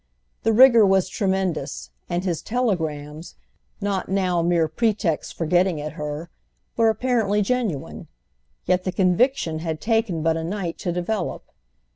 The rigour was tremendous, and his telegrams—not now mere pretexts for getting at her—were apparently genuine; yet the conviction had taken but a night to develop.